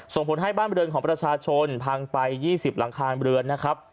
ส่งผลให้บ้านบริเวณของประชาชนพังไป๒๐หลังคาเรือนนะครับ